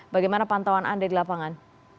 bagaimana pantauan anda di lapangan